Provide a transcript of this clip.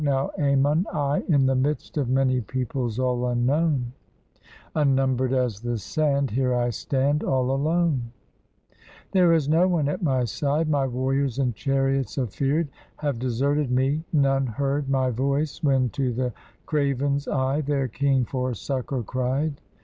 now, Ammon, I, In the midst of many peoples, all unknown, Unnumbered as the sand, 157 EGYPT Here I stand, All alone; There is no one at my side, My warriors and chariots afeared, Have deserted me, none heard My voice, when to the cravens I, their king, for succor, cried.